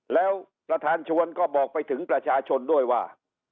แล้วประธานชวนก็บอกไปถึงประชาชนด้วยว่า